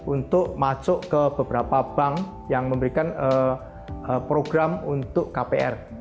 untuk masuk ke beberapa bank yang memberikan program untuk kpr